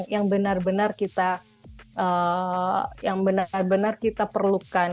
yang benar benar kita perlukan